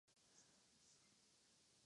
渡島当別駅